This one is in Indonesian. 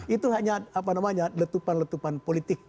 itu hanya letupan letupan politik